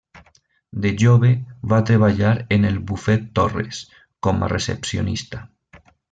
De jove va treballar en el Bufet Torres com a recepcionista.